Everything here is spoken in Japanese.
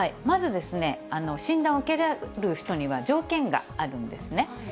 まずですね、診断を受けられる人には条件があるんですね。